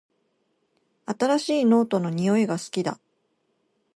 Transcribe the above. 新しいノートの匂いが好きだ